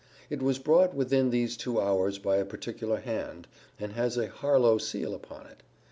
It was brought within these two hours by a particular hand, and has a Harlowe seal upon it.